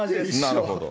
なるほど。